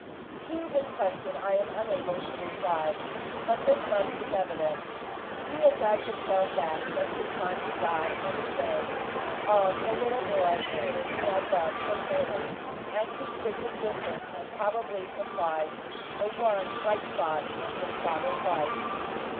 To this question I am unable to reply; but this much was evident: he had dragged himself back just in time to die on the grave of the little boy whom he had loved so dearly, and whose brief existence had probably supplied the one bright spot in his father's life.